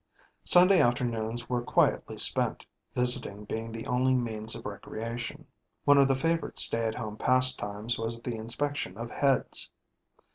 Sunday afternoons were quietly spent, visiting being the only means of recreation. One of the favorite stay at home pastimes was the inspection of heads.